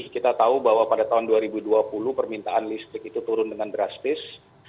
kita tahu bahwa pada tahun dua ribu dua puluh permintaan listrik itu turun dengan drastis